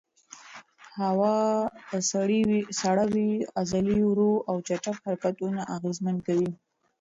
هوا سړه وي، عضلې ورو او چټک حرکتونه اغېزمن کوي.